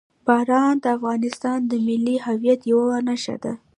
باران د افغانستان د ملي هویت یوه نښه ده.